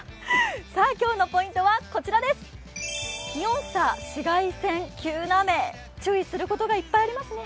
今日のポイントは、こちらです注意することがいっぱいありますね。